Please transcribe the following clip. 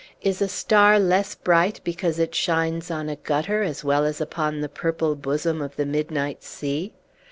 Is a star less bright because it shines on a gutter as well as upon the purple bosom of the midnight sea?